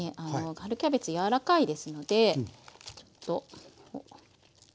春キャベツ柔らかいですのでちょっと。